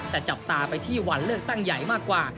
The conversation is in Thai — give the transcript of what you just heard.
แต่จับตาไปที่วันเลือกตั้งใหญ่มากกว่า